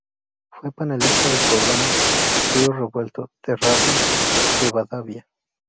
Fue panelista del programa "Río Revuelto" de Radio Rivadavia.